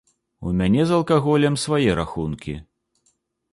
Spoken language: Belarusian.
У мяне з алкаголем свае рахункі.